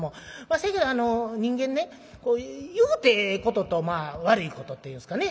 せやけど人間ね言うてええこととまあ悪いことっていうんですかね